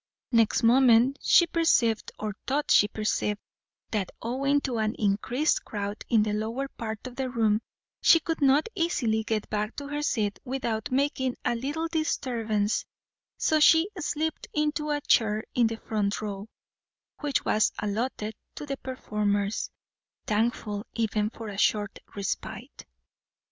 Next moment she perceived, or thought she perceived, that owing to an increased crowd in the lower part of the room she could not easily get back to her seat without making a little disturbance; so she slipped into a chair in the front row, which was allotted to the performers, thankful even for a short respite.